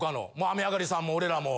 雨上がりさんも俺らも。